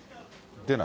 出ない？